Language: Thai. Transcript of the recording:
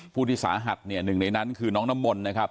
ผู้ที่สาหัสเนี่ยหนึ่งในนั้นคือน้องน้ำมนต์นะครับ